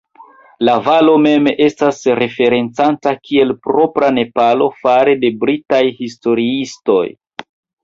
La valo mem estas referencata kiel "Propra Nepalo" fare de britaj historiistoj.